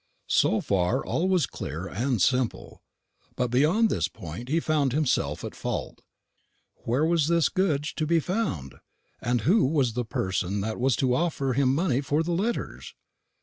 So far all was clear and simple; but beyond this point he found himself at fault. Where was this Goodge to be found? and who was the person that was to offer him money for the letters?